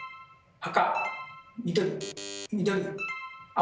赤。